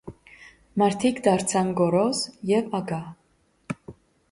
Մարդիկ դարձան գոռոզ եւ ագահ։